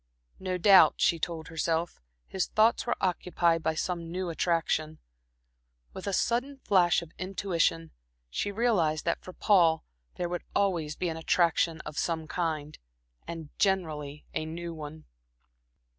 No doubt, she told herself, his thoughts were occupied by some new attraction. With a sudden flash of intuition, she realized that for Paul there would always be an attraction of some kind, and generally a new one.